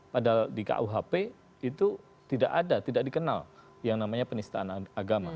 padahal di kuhp itu tidak ada tidak dikenal yang namanya penistaan agama